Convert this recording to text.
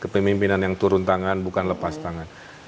kepemimpinan yang turun tangan bukan lepas tangan